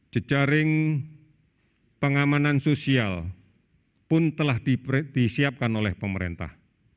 jejaring pengamanan sosial pun telah disiapkan oleh pemerintah